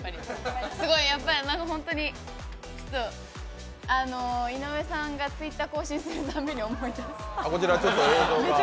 すごい本当に、ちょっと井上さんがＴｗｉｔｔｅｒを更新するたびに思い出します。